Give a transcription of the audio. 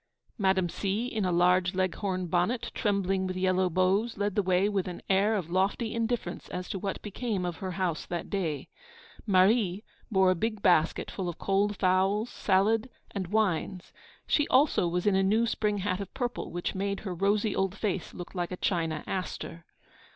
Madame C., in a large Leghorn bonnet, trembling with yellow bows, led the way with an air of lofty indifference as to what became of her house that day. Marie bore a big basket, full of cold fowls, salad, and wines; she also was in a new spring hat of purple, which made her rosy old face look like a china aster.